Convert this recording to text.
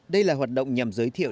đây là hoạt động nhằm giới thiệu